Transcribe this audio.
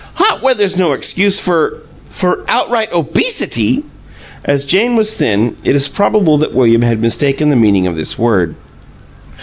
Hot weather's no excuse for for outright obesity!" (As Jane was thin, it is probable that William had mistaken the meaning of this word.)